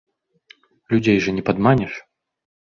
Людзей жа не падманеш.